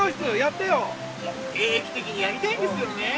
定期的にやりたいですよねぇ。